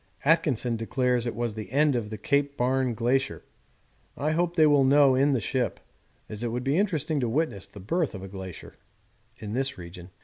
Atkinson declares it was the end of the Cape Barne Glacier. I hope they will know in the ship, as it would be interesting to witness the birth of a glacier in this region.